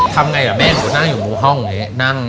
ทำไงละแม่หน้าอยู่มุมห้องนั่ง